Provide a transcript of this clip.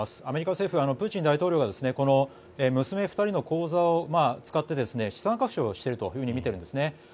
アメリカ政府はプーチン大統領が娘２人の口座を使って資産隠しをしていると見ているんですね。